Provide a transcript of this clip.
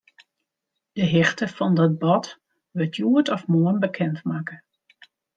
De hichte fan dat bod wurdt hjoed of moarn bekendmakke.